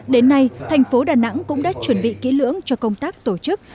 đến nay thành phố đà nẵng cũng đã chuẩn bị kỹ lưỡng cho công tác tổ chức